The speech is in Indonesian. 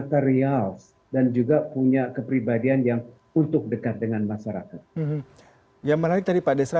terials dan juga punya kepribadian yang untuk dekat dengan masyarakat yang menarik tadi pak desra